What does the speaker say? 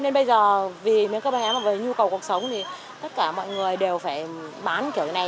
nên bây giờ vì những các bạn em về nhu cầu cuộc sống thì tất cả mọi người đều phải bán kiểu thế này